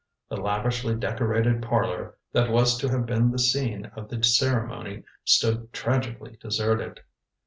The lavishly decorated parlor that was to have been the scene of the ceremony stood tragically deserted.